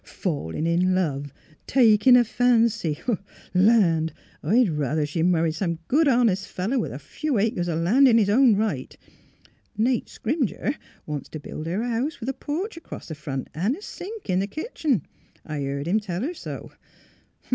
*'' FalUn' in love '—' takin' a fancy '— LandT I'd ruther she'd marry some good honest feller with a few acres o' land in his own right. Nate Scrimger wants t' build her a house with a porch acrost th' front an' a sink in th' kitchen; I heerd him tell her so.